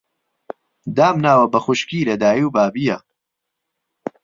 دامناوه به خوشکی له دای و بابییه